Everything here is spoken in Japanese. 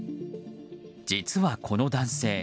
実は、この男性